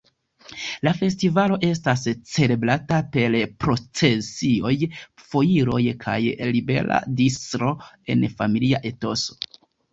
La festivalo estas celebrata per procesioj, foiroj kaj libera distro en familia etoso.